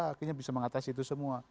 akhirnya bisa mengatasi itu semua